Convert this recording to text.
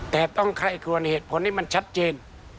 แต่ต้องใครควรเหตุผลให้มันชัดเจน